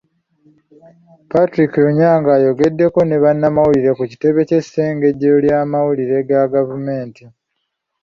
Patrick Onyango ayogedeko ne bannamawulire ku kitebe ky'essengejjero ly'amawulire ga gavumenti.